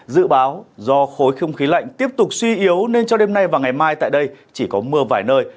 dự báo do khối không khí lạnh tiếp tục suy yếu nên cho đêm nay và ngày mai tại đây chỉ có mưa vài nơi